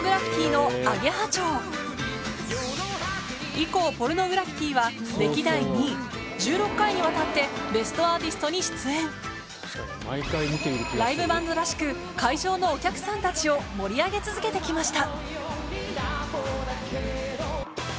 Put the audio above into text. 以降ポルノグラフィティは歴代２位１６回にわたって『ベストアーティスト』に出演ライブバンドらしく会場のお客さんたちを盛り上げ続けて来ました